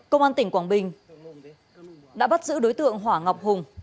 công an tỉnh quảng bình đã bắt giữ đối tượng hỏa ngọc hùng